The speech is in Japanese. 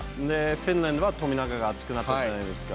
フィンランドは、富永が熱くなったじゃないですか。